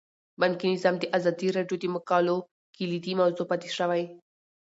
بانکي نظام د ازادي راډیو د مقالو کلیدي موضوع پاتې شوی.